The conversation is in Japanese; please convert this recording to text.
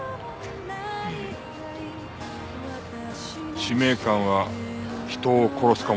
使命感は人を殺すかもしれん。